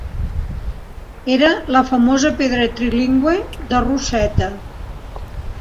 Era la famosa pedra trilingüe de Rosetta.